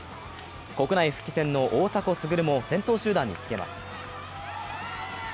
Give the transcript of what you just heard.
国内復帰戦の大迫傑も先頭集団につけます。